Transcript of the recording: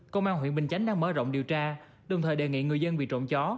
công an huyện bình chánh đang mở rộng điều tra đồng thời đề nghị người dân bị trộm chó